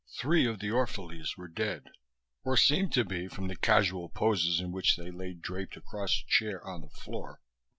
Three of the Orphalese were dead, or seemed to be from the casual poses in which they lay draped across a chair on the floor.